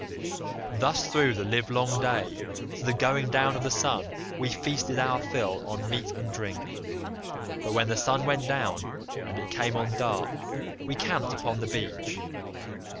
"Thus through the livelong day to the going down of the sun we feasted our fill on meat and drink, but when the sun went down and it came on dark, we camped upon the beach.